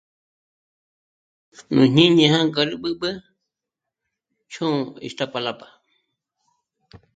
Nú jñíni jânga rí b'ǚb'ü ch'ṓ'ō Iztapalapa